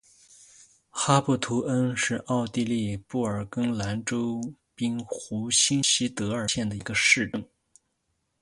哈布图恩是奥地利布尔根兰州滨湖新锡德尔县的一个市镇。